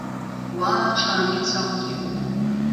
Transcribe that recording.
Уаа, ҽаангьы-цахәгьы!